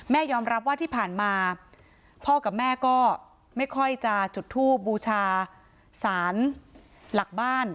ยอมรับว่าที่ผ่านมาพ่อกับแม่ก็ไม่ค่อยจะจุดทูบบูชาสารหลักบ้าน